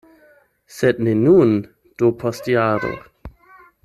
Se ne nun, do post jaro.